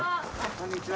こんにちは。